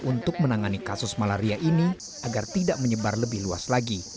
untuk menangani kasus malaria ini agar tidak menyebar lebih luas lagi